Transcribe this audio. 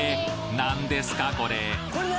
何ですかこれ？